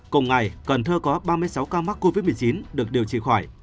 cùng ngày cần thơ có ba mươi sáu ca mắc covid một mươi chín được điều trị khỏi